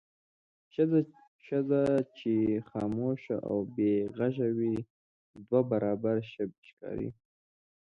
ښځه چې خاموشه او بې غږه وي دوه برابره ښه ښکاري.